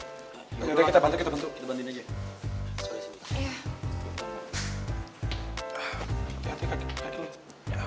oke kita bantu kita bantu kita bandiin aja